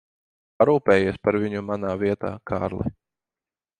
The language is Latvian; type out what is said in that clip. Parūpējies par viņu manā vietā, Kārli.